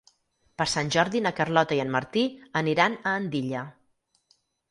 Per Sant Jordi na Carlota i en Martí aniran a Andilla.